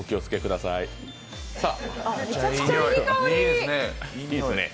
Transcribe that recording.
めちゃくちゃいい香り。